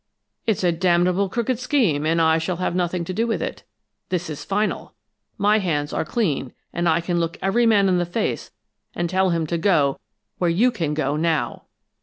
"'It's a damnable crooked scheme, and I shall have nothing to do with it. This is final! My hands are clean, and I can look every man in the face and tell him to go where you can go now!'